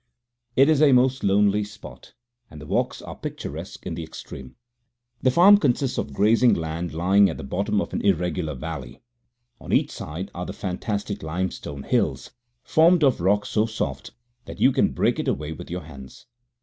< 2 > It is a most lonely spot, and the walks are picturesque in the extreme. The farm consists of grazing land lying at the bottom of an irregular valley. On each side are the fantastic limestone hills, formed of rock so soft that you can break it away with your hands.